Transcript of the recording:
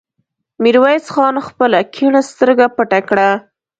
ميرويس خان خپله کيڼه سترګه پټه کړه.